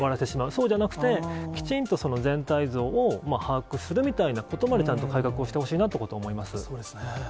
そうじゃなくて、きちんと全体像を把握するみたいなことまで、ちゃんと改革をしてそうですね。